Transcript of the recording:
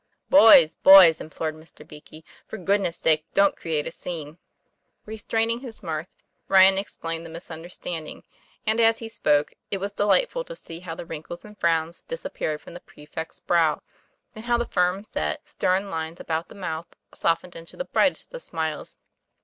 "Boys! boys!" implored Mr. Beakey, "for good ness' sake don't create a scene!" Restraining his mirth, Ryan explained the misun derstanding; and as he spoke, it was delightful to see how the wrinkles and frowns disappeared from the prefect's brow, and how the firm set, stern lines about the mouth softened into the brightest of smiles.